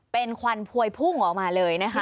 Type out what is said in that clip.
เป็นควันพวยพุ่งออกมาเลยนะคะ